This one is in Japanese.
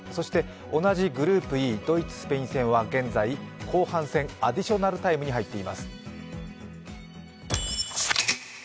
同じグループＥ、ドイツ×スペイン戦は現在後半戦、アディショナルタイムに入っています。